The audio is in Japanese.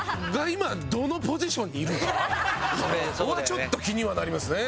ちょっと気にはなりますね。